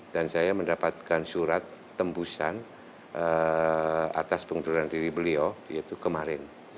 dan saya mendapatkan surat tembusan atas pengunduran diri beliau yaitu kemarin